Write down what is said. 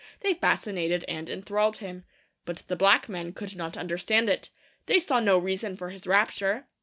They fascinated and enthralled him. But the black men could not understand it. They saw no reason for his rapture.